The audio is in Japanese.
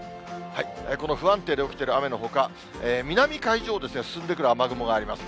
この不安定で起きている雨のほか、南海上を進んでくる雨雲があります。